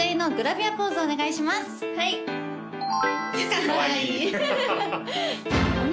かわいい！